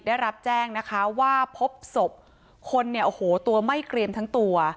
ได้รับแจ้งนะคะว่าพบศพคนเนี่ยโอ้โหตัวไม่เกรียมทั้งตัว